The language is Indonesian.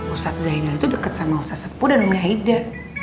ustaz zainal itu deket sama ustaz sepu dan umi aida